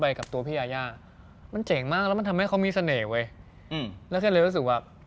ไปกับตัวพี่ยายามันเจ๋งมากแล้ว